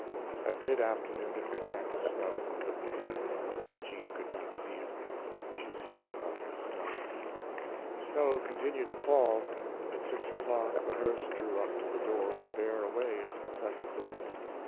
_ At mid afternoon it began to snow. The pity of it—that Jean could not see it! She so loved the snow. The snow continued to fall. At six o'clock the hearse drew up to the door to bear away its pathetic burden.